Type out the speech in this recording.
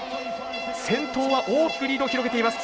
先頭は大きくリードを広げています。